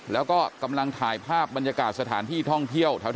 แล้วก็กำลังถ่ายภาพบรรยากาศสถานที่ท่องเที่ยวแถว